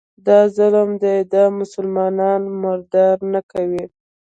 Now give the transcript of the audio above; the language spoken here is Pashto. دا ظلم دی، دا مسلمانان مردار نه دي